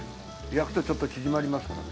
焼くとちょっと縮まりますからね。